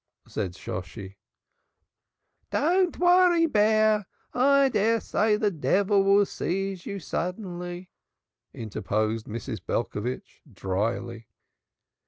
said Shosshi. "Don't worry, Bear! I dare say the devil will seize you suddenly," interposed Mrs. Belcovitch drily.